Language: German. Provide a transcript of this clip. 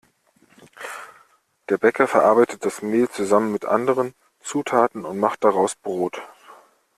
Der Bäcker verarbeitet das Mehl zusammen mit anderen Zutaten und macht daraus Brot.